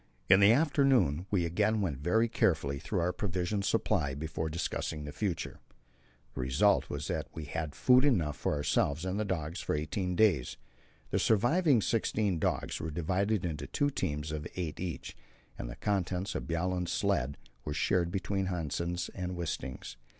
In the afternoon we again went very carefully through our provision supply before discussing the future. The result was that we had food enough for ourselves and the dogs for eighteen days. The surviving sixteen dogs were divided into two teams of eight each, and the contents of Bjaaland's sledge were shared between Hanssen's and Wisting's.